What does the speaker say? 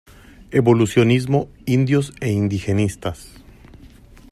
Evolucionismo, indios e indigenistas.